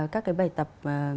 các cái bài tập